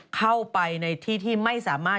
เข้าไปในที่ที่ไม่สามารถ